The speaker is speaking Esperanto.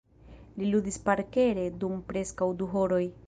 Li ludis parkere dum preskaŭ du horoj.